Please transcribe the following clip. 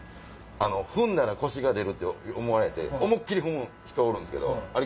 踏んだらコシが出るって思われて思いっ切り踏む人おるんすけどあれ